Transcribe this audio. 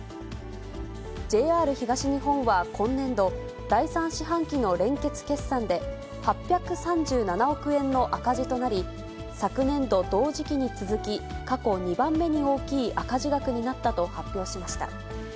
ＪＲ東日本は今年度、第３四半期の連結決算で、８３７億円の赤字となり、昨年度同時期に続き、過去２番目に大きい赤字額になったと発表しました。